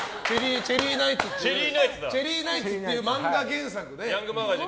「チェリーナイツ」っていう漫画原作で。